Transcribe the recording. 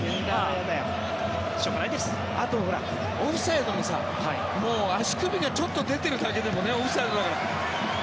あとオフサイドもさ足首がちょっと出てるだけでもオフサイドだから。